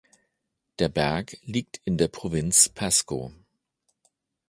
Der Berg liegt in der Provinz Pasco.